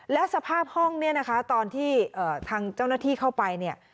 แล้วสภาพห้องเนี่ยนะคะตอนที่ทางเจ้าหน้าที่เข้าไปเนี่ย